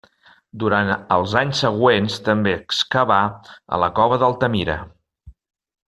Durant els anys següents també excavà a la cova d'Altamira.